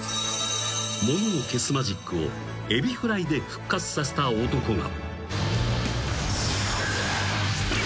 ［ものを消すマジックをエビフライで復活させた男が］